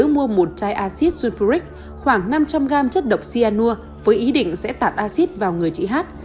mua một chai acid sulfuric khoảng năm trăm linh gram chất độc cyanur với ý định sẽ tạt acid vào người chị hát